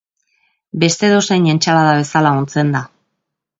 Beste edozein entsalada bezala ontzen da.